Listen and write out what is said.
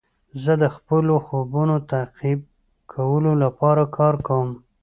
زه د خپلو خوبونو تعقیب کولو لپاره کار کوم.